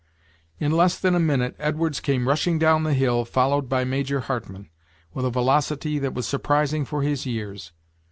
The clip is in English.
In less than a minute Edwards came rushing down the hill, followed by Major Hartman, with a velocity that was surprising for his years.